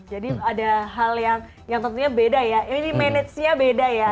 jadi ada hal yang tentunya beda ya ini managenya beda ya